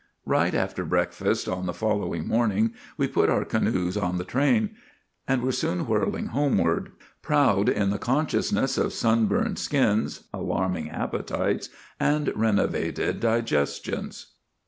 Right after breakfast on the following morning we put our canoes on the train, and were soon whirling homeward, proud in the consciousness of sunburned skins, alarming appetites, and renovated digestions.